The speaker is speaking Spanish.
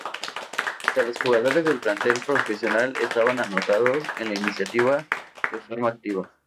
Hasta los jugadores del plantel profesional estaban anotados en la iniciativa de forma activa.